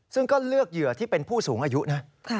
ซึ่งก็เลือกเหยื่อที่เป็นผู้สูงอายุนะ